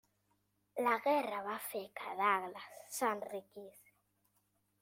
La guerra va fer que Douglas s'enriquís.